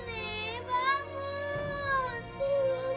ibumu baru saja meninggal